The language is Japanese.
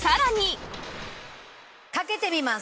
かけてみます！